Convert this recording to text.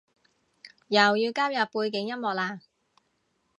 又要加入背景音樂喇？